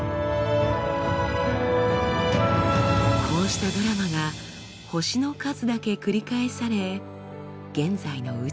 こうしたドラマが星の数だけ繰り返され現在の宇宙が出来たのです。